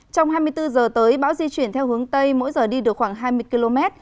trong hai mươi bốn giờ tới bão di chuyển theo hướng tây mỗi giờ đi được khoảng hai mươi km